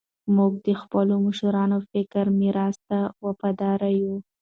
موږ د خپلو مشرانو فکري میراث ته وفادار یو.